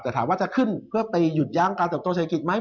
แต่ถามว่าจะขึ้นเพื่อไปหยุดยั้งการเติบโตเศรษฐกิจไหม